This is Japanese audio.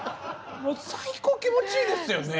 もう最高気持ちいいですよね。